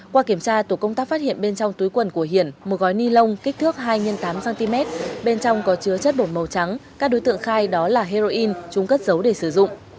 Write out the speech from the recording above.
qua kiểm tra tổ công tác phát hiện bên trong túi quần của hiển một gói ni lông kích thước hai x tám cm bên trong có chứa chất bột màu trắng các đối tượng khai đó là heroin chúng cất dấu để sử dụng